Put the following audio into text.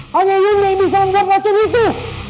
hanya yunda yang bisa mengangkat racun itu